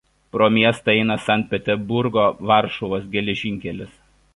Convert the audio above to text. Pro miestą eina Sankt Peterburgo–Varšuvos geležinkelis.